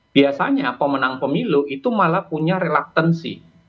biasanya pemenang pemilu itu malah punya relaktansi